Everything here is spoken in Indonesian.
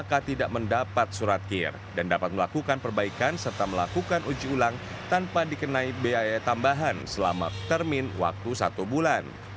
mereka tidak mendapat surat kir dan dapat melakukan perbaikan serta melakukan uji ulang tanpa dikenai biaya tambahan selama termin waktu satu bulan